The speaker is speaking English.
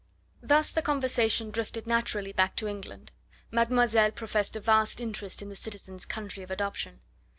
Thus the conversation drifted naturally back to England. Mademoiselle professed a vast interest in the citizen's country of adoption.